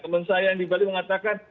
teman saya yang di bali mengatakan